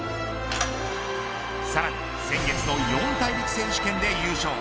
さらに先月の四大陸選手権で優勝。